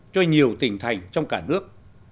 cho nhiều tỉnh thành trong cả nước